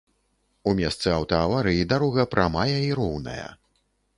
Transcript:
У месцы аўтааварыі дарога прамая і роўная.